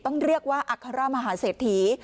ต้องเรียกว่าอัครมหาเศรษฐี